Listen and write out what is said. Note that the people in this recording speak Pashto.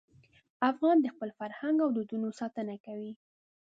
افغان د خپل فرهنګ او دودونو ساتنه کوي.